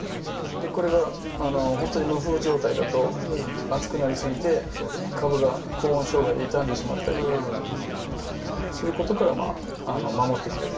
これが本当に無風状態だと熱くなりすぎて株が高温障害で傷んでしまったりすることから守ってくれる。